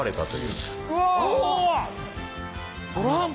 うわ！